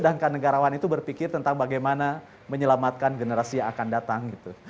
dan negarawan itu berpikir tentang bagaimana menyelamatkan generasi yang akan datang gitu